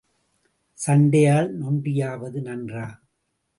சண்டையால் நொண்டியாவது நன்றா?